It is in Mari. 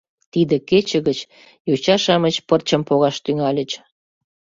Тиде кече гыч йоча-шамыч пырчым погаш тӱҥальыч.